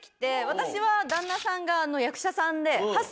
私は旦那さんが役者さんで。